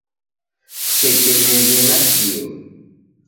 Kusekemeghee nakio.